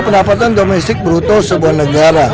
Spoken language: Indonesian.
pendapatan domestik bruto sebuah negara